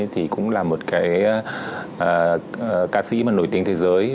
thì cũng là một cái ca sĩ mà nổi tiếng thế giới